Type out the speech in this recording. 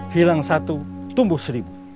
hilang satu tumbuh seribu